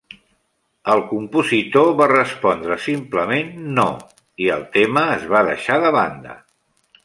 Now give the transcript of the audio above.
El compositor va respondre simplement "No" i el tema es va deixar de banda.